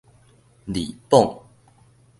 利綁